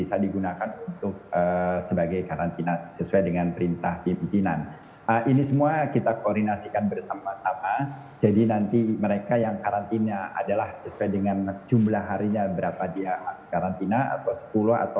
lalu setelah dilakukan pcr positif